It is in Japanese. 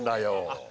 あっ